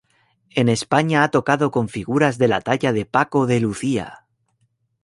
En España ha tocado con figuras de la talla de Paco de Lucía.